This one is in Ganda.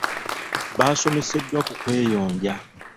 Baasomeseddwa ku kweyonja.